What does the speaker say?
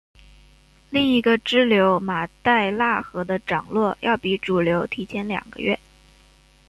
另一个支流马代腊河的涨落要比主流提前两个月。